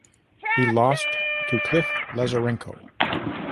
He lost to Cliff Lazarenko.